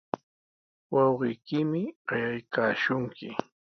Wawqiykimi qayaykaashunki.